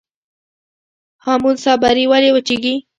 هامون صابري ولې وچیږي؟